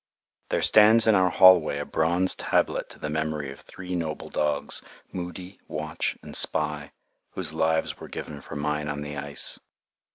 There stands in our hallway a bronze tablet to the memory of three noble dogs, Moody, Watch, and Spy, whose lives were given for mine on the ice.